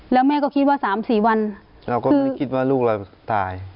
แล้วแม่ก็คิดว่า๓๔วันเราก็ไม่คิดว่าลูกเราตาย